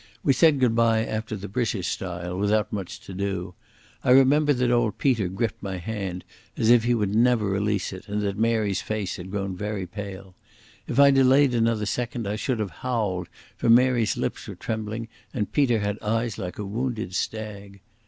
We said goodbye after the British style without much to do. I remember that old Peter gripped my hand as if he would never release it, and that Mary's face had grown very pale. If I delayed another second I should have howled, for Mary's lips were trembling and Peter had eyes like a wounded stag.